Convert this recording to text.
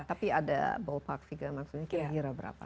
tapi ada bahwa pak figa maksudnya kira kira berapa